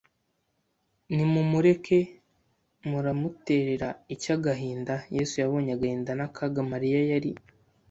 «Nimumureke! Muramuterera iki agahinda?» Yesu yabonye agahinda n'akaga Mariya yari